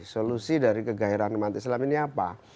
solusi dari kegairahan nu ini apa